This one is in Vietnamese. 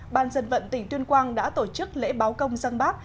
ban dân vận tỉnh tuyên quang đã tổ chức lễ báo công dân bác